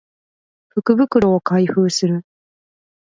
福袋を開封する